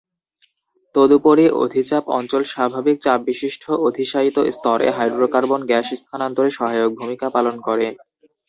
তদুপরি অধিচাপ অঞ্চল স্বাভাবিক চাপবিশিষ্ট অধিশায়িত স্তরে হাইড্রোকার্বন গ্যাস স্থানান্তরে সহায়ক ভূমিকা পালন করে।